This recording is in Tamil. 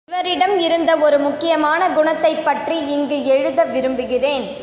இவரிடம் இருந்த ஒரு முக்கியமான குணத்தைப் பற்றி இங்கு எழுத விரும்புகிறேன்.